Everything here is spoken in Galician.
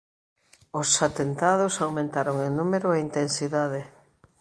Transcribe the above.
Os atentados aumentaron en número e intensidade.